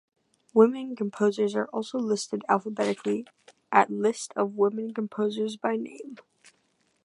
Women composers are also listed alphabetically at List of women composers by name.